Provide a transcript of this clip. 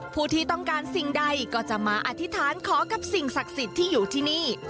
ผู้ที่ต้องการสิ่งใดก็จะมาอธิษฐานขอกับสิ่งศักดิ์สิทธิ์ที่อยู่ที่นี่